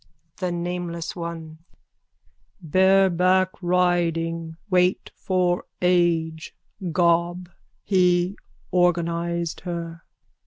_ THE NAMELESS ONE: Bareback riding. Weight for age. Gob, he organised her.